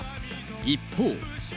一方。